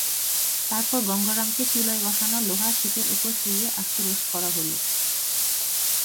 তারপর গঙ্গারামকে চুলোয় বসানো লোহার শিকের ওপর শুইয়ে আস্ত রোস্ট করা হলো।